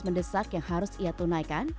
mendesak yang harus ia tunaikan